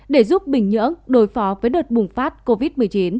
để giúp bình nhưỡng đối phó với đợt bùng phát covid một mươi chín